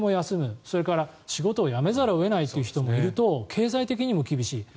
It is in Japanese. それから仕事を辞めざるを得ないって人もいると経済的にも厳しい。